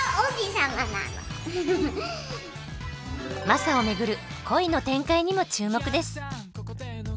マサを巡る恋の展開にも注目です。